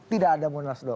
tidak ada munasnub